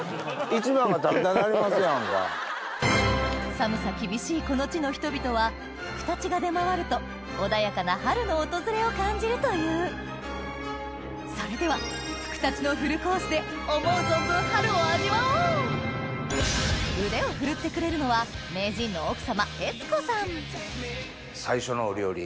寒さ厳しいこの地の人々はふくたちが出回ると穏やかな春の訪れを感じるというそれではで思う存分春を味わおう腕を振るってくれるのは名人の最初のお料理？